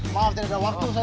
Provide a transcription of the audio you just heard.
maaf tidak ada waktu saya